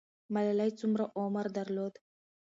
ملالۍ څومره عمر درلود؟